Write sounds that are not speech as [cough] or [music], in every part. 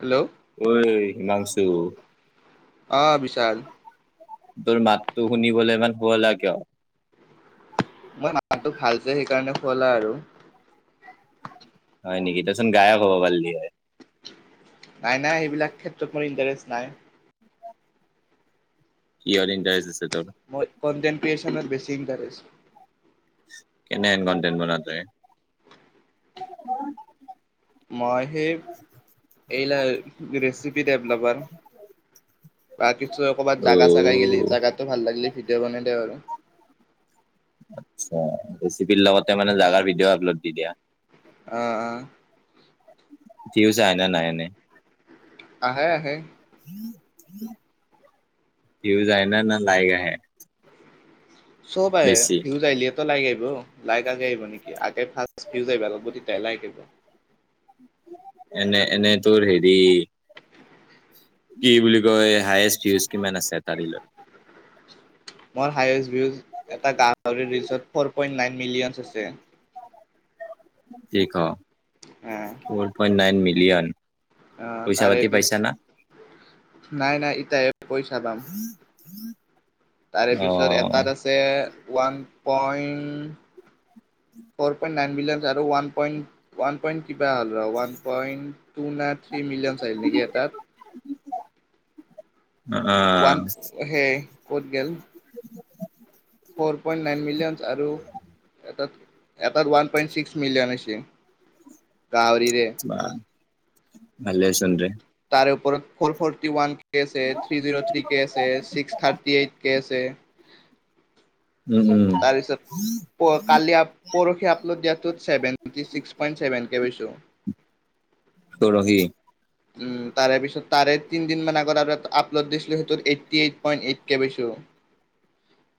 Hello ঐ হিমাংশু! আহ বিশাল! তোৰ মাতটো শুনিবলৈ ইমান হুৱলা কিয়? মই মাতটো ভাল যে সেইকাৰণে শুৱলা আৰু। হয় নেকি দেচোন গায়ক হব পৰিলি হয়। নাই নাই এইবিলাক ক্ষেত্ৰত মোৰ ইণ্টাৰেষ্ট নাই। কিহত ইন্ত্ৰেস্ত আছে? তোৰ মই কনটেন ক্ৰিয়েচনৰ বেছি ইণ্টাৰেষ্ট। কেনেকুৱা কনটেন বনাও তই? মই সে এইল গ দেভলপাৰ বা কিছু ক'ৰবাত জাগা চাগা গলে জাগাতটো ভাল লাগিলে। ভিডিঅ' বনাই দিওঁ আৰু আতছা! ৰেচিপিৰ লগতে মানে জাগাৰ ভিডিঅ' আপলোড দি দিয়া। আহ আহ! ভিয়ুজ আহে নাই এনে? আহে আহে। ভিয়োজ আহে না লাইক আহে। চব আহে বেছি ভিয়োজ আহিলে। লাইক আহিব লাইক আগে আহিব নেকি আগে ফাষ্ট ফিউজ আহিব তেতিয়াহে লাইক আহিব। এনে এনে ত হেৰি। কি বুলি কয় হায়েষ্ট ভিউজ কিমান আছে এটা ৰিলত? মোৰ হায়েষ্ট ভিউজ এটা গাহৰিৰ ৰিলছত four point nine millions views আছে। কি ক ফৰ পইন্ট নাইন মিলিয়ন! আহ পইচা তাৰে পাতি পিছ পাইছা না? নাই নাই ইটাই পইচা পাম। উম! [unintelligible] তাৰে পিছত এটাত আছে one point four point nine million আৰু ওৱান পইণ্ট ওৱান পইণ্ট কিবা হ'ল ৰ ওৱান পইণ্ট টু না থ্ৰী মিলিয়ন আহিল নেকি এটাত। অ' ওৱান হে ক'ত গেল। ফ'ৰ পইণ্ট নাইন মলিয়নছ আৰু এটাত এটাত ওৱান পইণ্ট ছিক্স মিলিয়ন আছে। বা ভালে চোন দে। তাৰ ওপৰত ফ'ৰ ফৰটি ওৱান কে আছে থ্ৰী জিৰ' থ্ৰী কে আছে ছিক্স থাৰ্টি এইত কে আছে। উ উম! তাৰপিছত কালি পৰহি আপলোড দিয়াটোত seventy six point seven K পাইছো। ত ৰহি উম তাৰে পিছত তাৰে তিনদিন মান আগত আৰু এটা আপলোড দিছিলো সেইটো এইটি এইট পইন্ট এইট কে পাইছো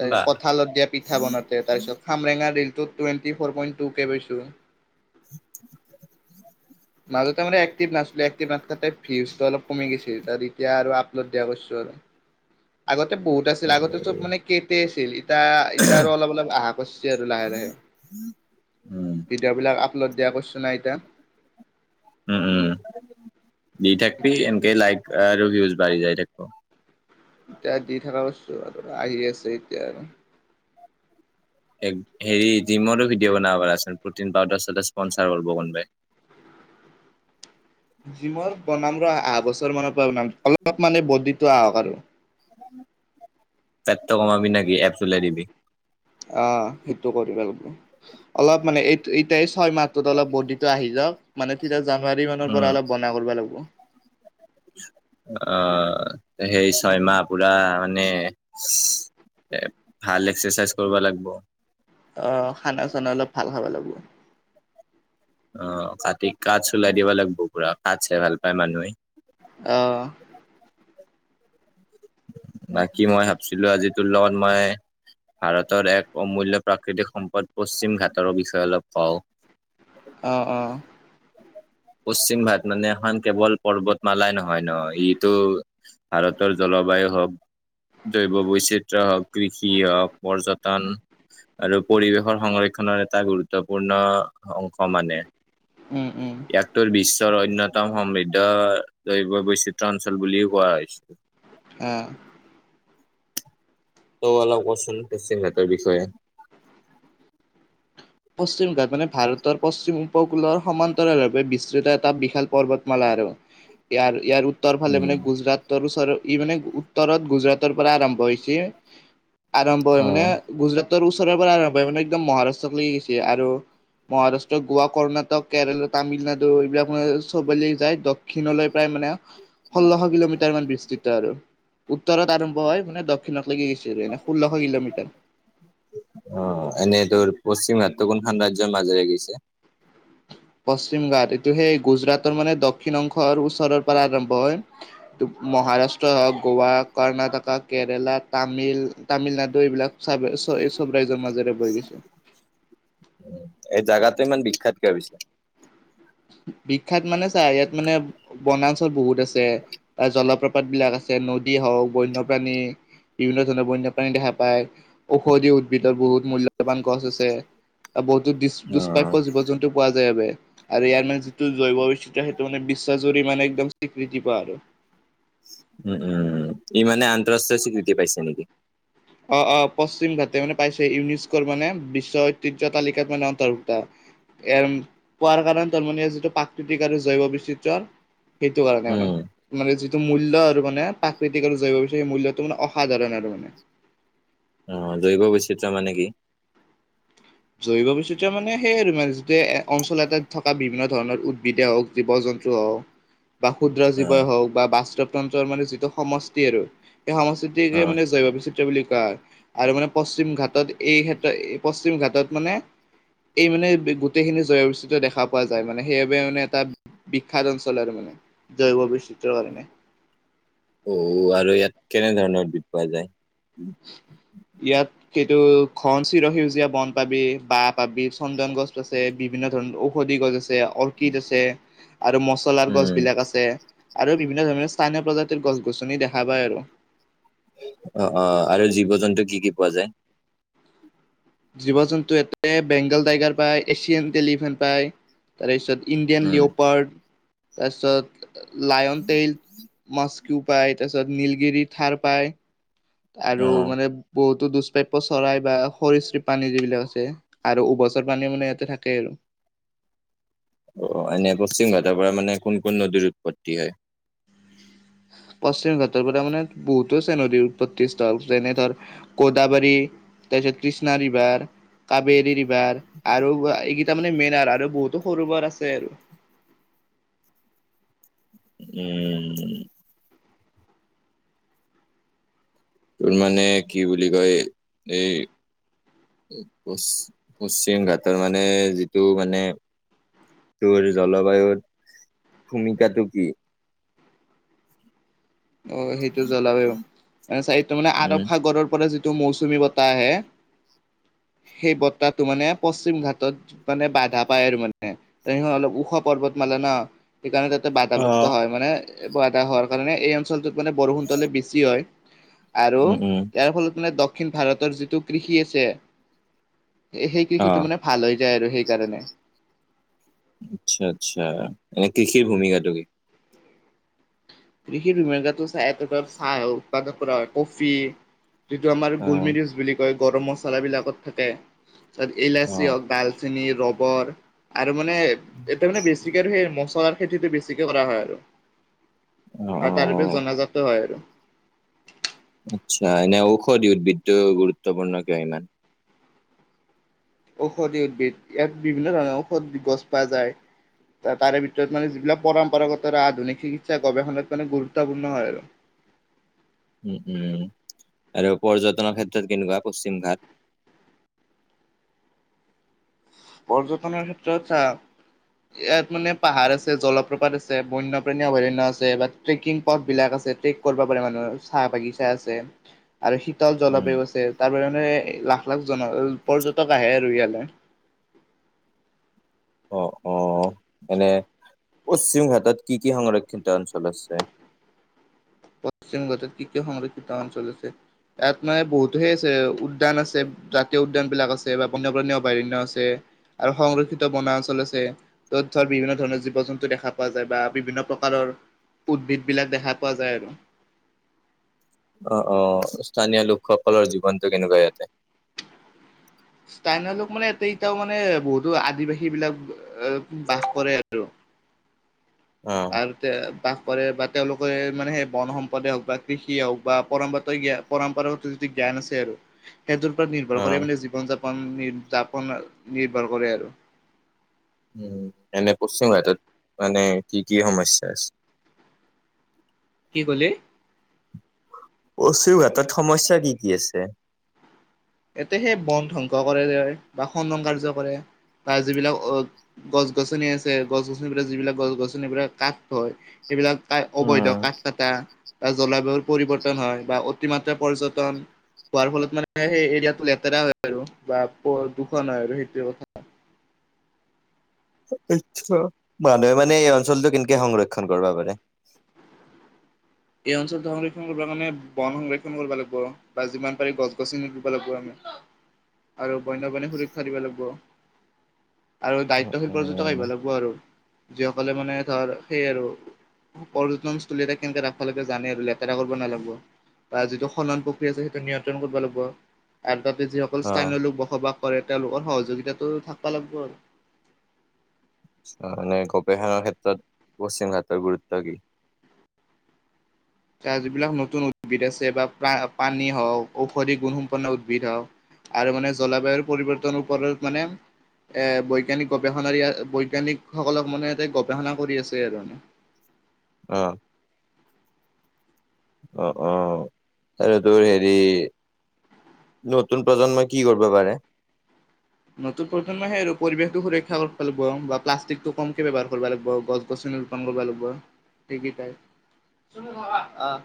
ত বা কঁঠালত দিয়া পিঠা বনাতে তাৰপিছত আমটেঙা ৰিল টোৱেন্তি ফৰ পইন্ট টো কে পাইছো। [inaudible] মাজতে মানে এক্তিফ নাছিলো। অলপ কমি গৈছিল এতিয়া আপলোড দিয়া [unintelligible] পিছত আৰু এ বহুত আছিল আগতে উম, চব মানে কে টে আছিল এতিয়া এতিয়া অলপ অলপ আহা কৰিছে আৰু লাহে লাহে উম, ভিডিঅ' বিলাক। লত দিয়া কৰিছো না এতিয়া। উম উম দি থাকবি এতিয়া। এনকে লাইকভিউজ বাঢ়ি যাই থাকিব। এতিয়া দি থকা কস্তো আৰু আহি আছে এতিয়া আৰু। হেৰি জিমৰো ভিডিঅ' বনাব পাৰা চোন প্ৰটিন পাউদাৰ স্পনচাৰ কৰিব কোনোবাই। [inaudible] জিমৰ বনাম ৰ আহা বছৰ মানৰ পৰা বনাম অলপ মানে বডিটো আহক আৰু তাত ত কমাবি নেকি এপছ্ উলাই দিবি অ সেইটো কৰিব লাগবো অলপ মানে এই ছয় মাহটোতো অলপ বৰ্ডিটো আহি যাওক মানে তেতিয়া জানুৱাৰী মানৰ উম, পৰা অলপ বনাব কৰিব লাগিব আহ সেই ছয়মাহ পুৰা মানে এ ভাল এক্সাৰচাইজ কৰবা লাগব অ', খানা চানা অলপ ভাল খাব লাগিব। অ কাটি কাচ্ ওলাই দিব লাগব পুৰা কাচ্ হে চাই ভাল পায় মানুহে অহ বাকি মই ভাবছিলো আজি তোৰ লগত মই ভাৰতৰ এক অমূল্য প্ৰাকৃতিক সম্পদ পশ্চিম ঘাটৰৰ বিষয়ে অলপ কওঁক আহ আহ পশ্চিম ভাগ মানে এখন কেৱল পৰ্বতমালাই নহয় ন ইটো ভাৰতৰ জলবায়ু হওক জৈৱ বৈচিত্ৰয় হওক কৃষি হওক পৰ্যটন আৰু পৰিৱেশৰ সংৰক্ষণৰ এটা গুৰুত্বপূৰ্ণ অংশ মানে উম উম, একত্তৰ বিছ বিশ্বৰ অন্যতম সমৃদ্ধ জৈৱ বৈচিত্ৰ অঞ্চল বুলিও কোৱা হৈছে আহ তৌ অলপ কচোন চিংহাটৰ বিষয়ে পশ্চিম ঘাট মানে ভাৰতৰ পশ্চিম উপকূলৰ সমান্তৰালভাৱে বিস্তৃত এটা বিশাল পৰ্বতমালা হয় আৰু ইয়াৰ ইয়াৰ উত্তৰ ফালে উম মানে গুজৰাটৰ ওচৰ ই মানে উত্তৰত গুজৰাটৰ পৰা আৰম্ভ হৈছে আৰম্ভ হয় অ মানে গুজৰাটৰ ওচৰৰ পৰা আৰম্ভ হয় মানে একদম মহাৰাষ্ট্ৰত লাগি গৈছে আৰু মহাৰাষ্ট্ৰ গোৱা কৰ্ণাটক কেৰেলা তামিলনাডু এইবিলাক মান চবলে যায় দক্ষিণলৈ প্ৰায় মানে ষোল্লশ কিলোমিটাৰ মান বিস্তৃত আৰু উত্তৰত আৰম্ভ হয় মানে দক্ষিণত অ এনে তোৰ পশ্চিমত কোনখান ৰাজ্যৰ মাজেৰে গৈছে পশ্চিম ঘাট এইটো সেই গুজৰাটৰ মানে দক্ষিণ অংশৰ ওচৰৰ পৰা আৰম্ভ হয় তো মই মহাৰাষ্ট্ৰই হওক গোৱা কৰ্ণাটকা কেৰেলা তামিল তামিলনাডু এইবিলাক চাইব চ এই চব ৰাজ্যৰ মাজেৰে বৈ গৈছে এই জাগাটো ইমান বিখ্যাত কিয় পিছে উ বিখ্যাত মানে চা ইয়াত মানে বনাঞ্চল বহুত আছে অ জলপ্ৰপাত বিলাক আছে নদী আ হওক বন্যপ্ৰাণী বিভিন্ন ধৰণৰ বন্যপ্ৰাণী দেখা পায় ঔষধি উদ দ্ভিদৰ বহুত মূল্যৱান গছ আছে বহুতো দু অ দুস্প্ৰাপ্য জীৱ জন্তু পোৱা যায় বাবে আৰু ইয়াৰ মানে যিটো জৈৱ বৈচিত্য সেইটো মানে বিশ্বাস জুৰি মানে একদম স্বীকৃতি পোৱা আৰু উম উম উম ই মানে আন্তঃৰাষ্ট্ৰীয় স্বীকৃতি পাইছে নিকি অ অ পশ্চিম ঘাটে মানে পাইছে ইউনিস্ক মানে বিশ্ব ঐতিহ্য তালিকাত মানে অন্তৰ্ভুক্ত এম কোৱাৰ কাৰণে তাৰমানে যিটো প্ৰাকৃতিক আৰু জৈৱ বৈচিত্ৰ সেইটো কাৰণে মানে উম মানে যিটো টো মূল্য আৰু মানে প্ৰাকৃতিক আৰু জৈৱ বিয় মূল্যটো মানে অসাধাৰণ আৰু মানে অ দৈৱ বৈচিত্ৰ মানে কি জৈব বৈচিত্ৰৰ মানে সেই আৰু মানে যিটো অঞ্চল এটাত থকা বিভিন্ন ধৰণৰ উদ্ভিদে হওক জীৱ জন্ত হও বা ক্ষুদ্ৰ অ', জীৱই হওক বা বাস্তৱ তন্ত্ৰৰ মানে যিটো সমষ্টি আৰু এ সংস্কৃতিক অ', মানে জৈৱবৈচিত্ৰ বুলি কয় আৰু মানে পশ্চিম ঘাটত এই ক্ষেত্ৰত পশ্চিম ঘাটত মানে এই মানে গোটেইখিনি জৈৱবৈচিত্ৰ দেখা পোৱা যায় মানে সেইবাবে মানে এটা বিখ্যাত অঞ্চল আৰু মানে জৈৱ বৈচিত্ৰৰ কাৰণে অ আৰু ইয়াত কেনেধৰণৰ বিপ পোৱা যায় ইয়াত কে ত ঘন চিৰ সেউজীয়া বন পাবি বাঁহ পাবি চন্দন গছ আছে বিভিন্ন ধৰণৰ ঔষধি গছ আছে অৰ্কিড আছে আৰু মছলাৰ গছ উম, বিলাক আছে আৰু বিভিন্ন ধৰণৰ স্থানীয় প্ৰজাতিৰ গছ গছনি দেখা পায় আৰু - অ অহ আৰু জীৱ জন্তু কি কি পোৱা যায়।? জীৱ জন্তু এটা বেংগল টাইগাৰ পায় এছিয়ান টেলিভিন পায় তাৰপিছত ইণ্ডিয়ান উম, লিঅ'পাৰ তাৰপিছত লায়ন তেইল মাছ। টো পায় তাৰপিছত নীলগিৰি থাৰ পায় আৰু অ'। মানে বহুত। তো দুষ্প্ৰাপ্য চৰাই বা সৰিশ্বিপ প্ৰাণী যিবিলাক আছে আৰু উভচৰ প্ৰাণী মানে ইয়াতে থাকেই আৰু [inaudible] অ এনে পশ্চিম ঘাটৰ পৰা মানে কোন কোন নদীৰ উৎপত্তি হয় পশ্চিম ঘাটৰ পৰা মানে বহুতো আছে নদীৰ উৎপত্তিস্থল যেনে ধৰ গোদাবাৰী তাছত কৃষ্ণা ৰিভাৰ কাবেৰী ৰিভাৰ আৰু এইকেইটা মানে মেইন আৰু আৰু বহুতো সৰু বৰ আছে আৰু [unintelligible] উম তোৰ মানে কি বুলি কয় এই পচ পশ্চিম ঘাটৰ মানে যিটো মানে তোৰ জলবায়ুৰ ভূমিকাটো কি অ সেইটো জলবায়ু চাৰিত মানে আৰৱ উম। সাগৰৰ পৰা যি তো মৌচুমী বতাহ আহে [unintelligible] সেই বতাহটো মানে পশ্চিম ঘাটত মানে বাধা পায় আৰু মানে তেনেকে অলপ ওখ পৰ্বত মালা। ন সেইকাৰণে তাতে বাধাপ্ৰাপ্ত অ'। হয় মানে বাধা হোৱাৰ কাৰণে এই অঞ্চলটোত মানে বৰষুণতো অলপ বেছি হয় আৰু উম, উম, ইয়াৰ ফলত মানে দক্ষিণ ভাৰতৰ যিটো কৃষি আছে সেই কৃষিটো অ', মানে ভাল হৈ যায় আৰু সেইকাৰণে। আচ্ছা আচ্ছা এনে কৃষিৰ ভূমিকাটো কি কৃষিৰ ভূমিকাতো চাহ উৎপাদন কৰা হয় কফি যিটো আমাৰ অ', গোলমিৰিচ বুলি কয় গৰম মছলাবিলাকত থাকে তাত ইলাচি অ', হওক ডাল। চেনি ৰবৰ আৰু মানে এটা মানে বেছিকে আৰু সেই মছলাৰ। খেতিটো বেছিকে কৰা হয় আৰু অ', আৰু অ'। তাৰপাছত জনাজাত হয় আৰু [unintelligible] আচ্ছা এনে ঔষধি উদ্ভিদটো গুৰুত্বপূৰ্ণ কিয় ইমান ঔষধি উদ্ভিদ ইয়াত বিভিন্ন ধৰণৰ ঔষধ গছ পোৱা যায়। তাৰে ভিতৰত মানে যিবিলাক পৰম্পৰাগত আধুনিক চিকিৎসা গৱেষণাত মানে গুৰুত্বপূৰ্ণ হয় আৰু [inaudible] উম উম আৰু পৰ্যটনৰ ক্ষেত্ৰত কেনেকোৱা পশ্চিম ঘাট। [unintelligible] পৰ্যটনৰ ক্ষেত্ৰত চা ইয়াত মানে পাহাৰ আছে জলপ্ৰপাত আছে বন্যপ্ৰাণী অভয়াৰণ্য আছে বা ট্ৰেকিং পথ বিলাক আছে। ট্ৰেফিক ক কৰিব পাৰে মানুহৰ চাহ বাগিচা আছে আৰু শীতল উম। জলবায়ু আছে তাৰ পৰা মানে লা এক লাখ জন পৰ্যটক আহে আৰু ইয়ালে অ অ এনে পশ্চিম ঘাটত কি কি সংৰক্ষিত অঞ্চল আছে পশ্চিম ঘাটত কি কি সংৰক্ষিত অঞ্চল আছে তাত মানে বহুত হে আছে উদ্যান আছে জাতীয় উদ্যান বিলাক আছে বা বন্যপ্ৰাণী অভয়াৰণ্য আছে আৰু সংৰক্ষিত বনাঞ্চল আছে তথাপিও বিভিন্ন ধৰণৰ জীৱ জন্তু দেখা পোৱা যায় বা বিভিন্ন প্ৰকাৰৰ উদ্ভিদ বিলাক দেখা পোৱা যায়। [unintelligible] আহ আহ স্থানীয় লোকসকলৰ জীৱনতটো কেনেকুৱা ইয়াতে? স্থানীয় লোক মানেতও মানে বহুতো আদিবাসী বিলাক বাস কৰে আৰু। [inaudible] অ', আৰু তে বাস কৰে বা তেওঁলোকে মানে সেই বন সম্পদে হওঁক বা কৃষিয়ে হওঁক বা পৰম্প জ্ পৰম্পৰাগত যদি জ্ঞান। জ্ঞান আৰু সেইটোৰ ওপৰত নিৰ্ভৰ কৰে অ'। মানে জীৱন যাপন যাপন নিৰ্ভৰ কৰে আৰু। উ এনে পশ্চিম ভাৰাটত মানে কি কি সমস্যা আছে। [inaudible] কি ক'লে? অচুৰঘাটত সমস্যা কি কি আছে? এতি সে বন ধ্বংস কৰে বা খণ্ডন কাৰ্য কৰে। তাৰ যিবিলাক অ গছ -গছনি আছে গছ- গছনিৰ পৰা যিবিলাক গছ- গছনি পৰা কাঠ হয়। এইবিলাক ক অবৈধ উম, কাঠ কটা বা জলবায়ুৰ পৰিৱৰ্তন। হয় বা অতিমাত্ৰা পৰ্যটন হোৱাৰ ফলত মানে সেই ইয়াতো লেতেৰা হয় আৰু বা দুখন হয় আৰু সেইটোৱে কথা। মানুহে মানে এই অঞ্চলটো কেনেকে সংৰক্ষণ কৰিব পাৰে। এই অঞ্চলটো সংৰক্ষণ কৰিব কাৰণে বন সংৰক্ষণ কৰিব লাগিব বা যিমান পাৰি গছ গছনি ৰুব লাগিব আমি। [inaudible] আৰু বন্যপ্ৰাণী সুৰক্ষা দিব লাগিব। আৰু উম, দায়িত্বশীল প্যক উম। আহিব লাগিব আৰু যিসকলে মানে ধৰ সেই আৰু পৰ্যটনস্থলী এটা কেনেকে ৰাখ সকলোৱে টোৱে জানে আৰু লেতেৰা কৰিব নালাগিব। বা যিটো সনন প্ৰক্ৰিয়া আছে সেইটো নিয়ন্ত্ৰণ কৰিব লাগিব আৰু তাতে যিসকল অ'। স্থানীয় লোক বসবাস। কৰে তেওঁলোকৰ সহযোগিতাটো থাকিব লাগিব আৰু। তানে কপেখানৰ ক্ষেত্ৰত পশ্চিম ভাৰাটৰ গুৰুত্ব কি? [unintelligible] তাৰ যিবিলাক নতুন উদ্ভিদ আছে বা প্ৰাানী হওঁক ঔষধি গুণসম্পন্ন উদ্ভিদ হওঁক। আৰু মানে জলবায়ুৰ পৰিৱৰ্তনৰ ওপৰত মানে। এ বৈজ্ঞানিক গৱেষণাৰ বৈজ্ঞানিকসকলক মানে এ গৱেষণা কৰি আছে এই ধৰণে। আহ অ অ আৰু তোৰ হেৰি নতুন প্ৰজন্মই কি কৰিব পাৰে। নতুন প্ৰজন্মই সে আৰু পৰিৱেশটো সুৰক্ষা কৰিব লাগিব বা প্লাষ্টিকটো কমকে ব্যৱাৰ কৰিব লাগিব গছ -গছনি। ৰুপন কৰিব লাগিব সেইকেইটা আহ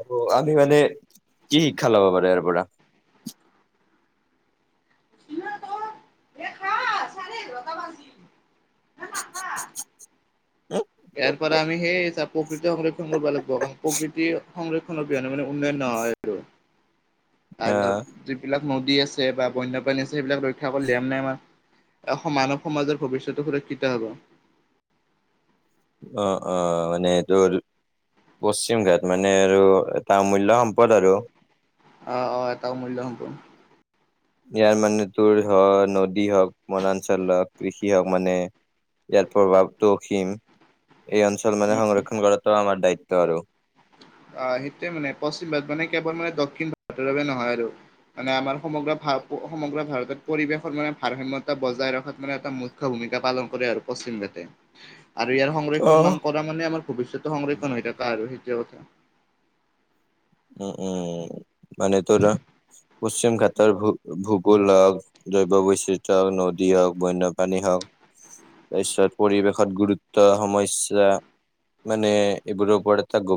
অ আমি মানে কি শিক্ষা লব পাৰো ইয়াৰ পৰা। [inaudible] [inaudible] ইয়াৰ পৰা আমি সেই প্ৰকৃতি সংৰক্ষণ কৰিব লাগিব কাৰণ প্ৰকৃতি সংৰক্ষণৰ অবিহনে মানে অনয়্য হয় আৰু। আহ তাৰপিছত যিবিলাক নদী আছে বা বন্যপ্ৰাণী আছে সেইবিলাক ৰক্ষা কৰি দিয়াম নাই আমাৰ। এ মানৱ সমাজৰ ভৱিষ্যতে সুৰক্ষিত হব। অ অ মানেটোৰ পশ্চিম ঘাট মানে আৰু এটা অমূল্যয় সম্পদ আৰু। আহ আহ এটাও মূল্য হব। ইয়াৰ মানুহ তোৰ হ নদী হওঁক বনাঞ্চল হওঁক কৃষি হওঁক মানে। ইয়াৰ প্ৰভাৱ দক্ষিণ। এই অঞ্চল মানে সংৰক্ষণ কৰাটো আমাৰ দায়িত্ব আৰু। অ সেইটোৱে মানে পশ্চিম ভাৰত মানে কেৱল মানে দক্ষিণ ভাৰতৰ বাবে নহয় আৰু। মানে আমাৰ সমগ্ৰ ভ সমগ্ৰ ভাৰতত পৰিৱেশৰ মানে ভাৰসাম্যতা বজাই ৰখাত মানে এটা মুখ্য ভূমিকা। ভূমিকা পালন কৰে আৰু পশ্চিম জাতে আৰু ইয়াৰ অ সংৰক্ষণ মান কৰা মানে আমাৰ ভৱিষ্যতো সংৰক্ষণ হৈ থাককা আৰু সেইটোৱে কথা। উম উম মানে তোৰ পশ্চিম ঘাটৰ ভূ ভূগোল হওক জৈৱ বৈচ্ৰ হক নদী হওক বন্যপ্ৰাণী হওক তাৰপিছত পৰিৱেশত গুৰুত্ব সমস্যা। মানে এইবোৰ ওপৰত এটা গভীৰ